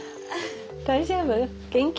大丈夫？元気？